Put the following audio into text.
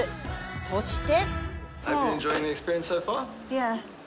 そして。